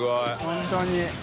本当に。